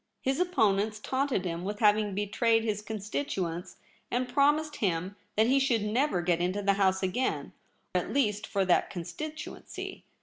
His opponents taunted him with having betrayed his constituents, and promised him that he should never get into the House again — at least for that con stituency.